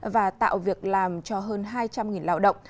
và tạo việc làm cho hơn hai trăm linh lao động